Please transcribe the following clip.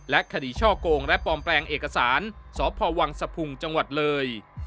คดีช่อกงและปลอมแปลงเอกสารสพวังสะพุงจังหวัดเลย